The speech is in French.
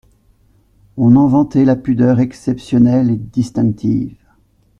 On en vantait la pudeur exceptionnelle et distinctive.